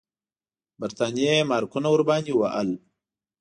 برټانیې مارکونه ورباندې وهل.